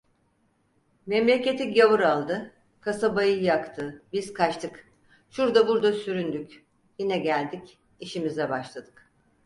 Memleketi gavur aldı, kasabayı yaktı, biz kaçtık, şurda burda süründük, yine geldik, işimize başladık.